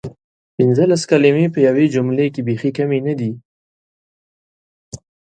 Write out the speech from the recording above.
پنځلس کلمې په یوې جملې کې بیخې کمې ندي؟!